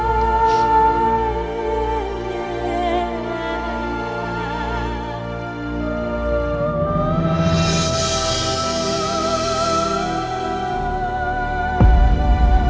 timku sedikit mengakui kita